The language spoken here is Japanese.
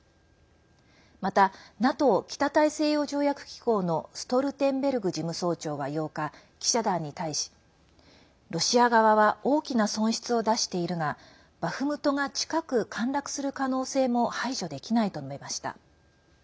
またＮＡＴＯ＝北大西洋条約機構のストルテンベルグ事務総長は８日記者団に対しロシア側は大きな損失を出しているがバフムトが近く陥落する可能性も排除できないと述べました。